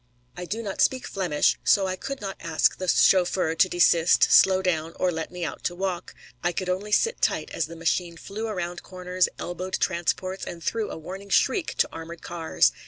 I do not speak Flemish, so I could not ask the chauffeur to desist, slow down, or let me out to walk. I could only sit tight as the machine flew round corners, elbowed transports, and threw a warning shriek to armoured cars.